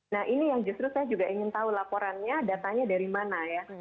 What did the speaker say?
nah ini yang justru saya juga ingin tahu laporannya datanya dari mana ya